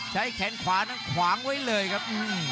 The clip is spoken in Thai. ใช้แขนขวานั้นขวางไว้เลยครับ